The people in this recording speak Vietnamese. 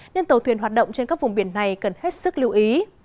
nên tàu thuyền hoạt động trên các vùng biển này cần hết sức lưu ý